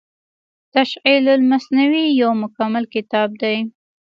تشعيل المثنوي يو مکمل کتاب دی